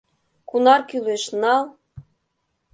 — Кунар кӱлеш — нал!